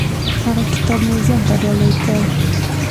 هغه کتاب موزیم ته ډالۍ کړ.